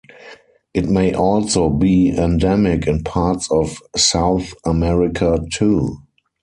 It may also be endemic in parts of South America, too.